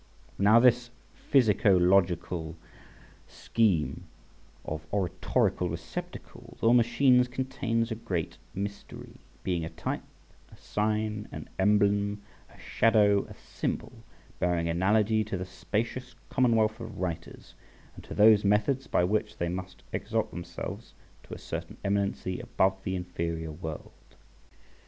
Now this physico logical scheme of oratorical receptacles or machines contains a great mystery, being a type, a sign, an emblem, a shadow, a symbol, bearing analogy to the spacious commonwealth of writers and to those methods by which they must exalt themselves to a certain eminency above the inferior world.